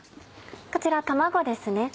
こちら卵ですね。